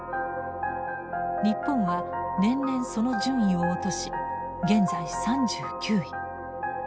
日本は年々その順位を落とし現在３９位。